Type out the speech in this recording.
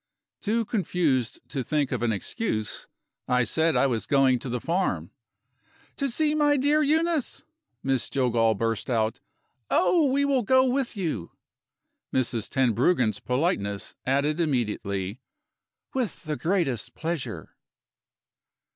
Too confused to think of an excuse, I said I was going to the farm. "To see my dear Euneece?" Miss Jillgall burst out. "Oh, we will go with you!" Mrs. Tenbruggen's politeness added immediately, "With the greatest pleasure."